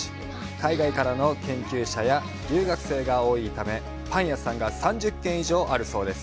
海外からの研究者や留学生が多いため、パン屋さんが３０軒以上あるそうです。